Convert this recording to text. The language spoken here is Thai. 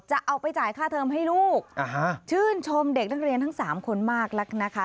จะเอาไปจ่ายค่าเทิมให้ลูกชื่นชมเด็กนักเรียนทั้ง๓คนมากแล้วนะคะ